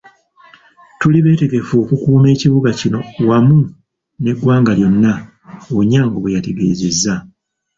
"Tuli beetegefu okukuuma ekibuga kino wamu n'eggwanga lyonna,” Onyango bwe yategeezezza.